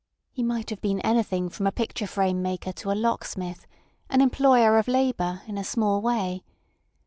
He might have been anything from a picture frame maker to a lock smith; an employer of labour in a small way.